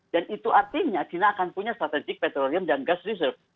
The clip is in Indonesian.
dan itu artinya china akan punya strategik petrolium dan gas reserve